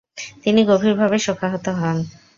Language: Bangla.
তিনি গভীরভাবে শোকাহত হন।